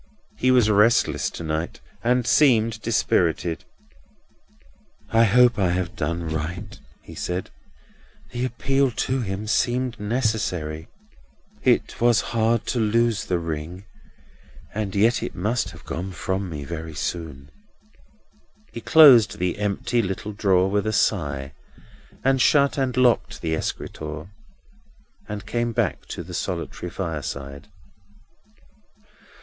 He was restless to night, and seemed dispirited. "I hope I have done right," he said. "The appeal to him seemed necessary. It was hard to lose the ring, and yet it must have gone from me very soon." He closed the empty little drawer with a sigh, and shut and locked the escritoire, and came back to the solitary fireside.